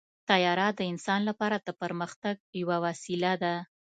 طیاره د انسان لپاره د پرمختګ یوه وسیله ده.